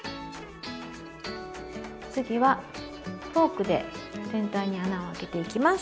次はフォークで全体に穴を開けていきます。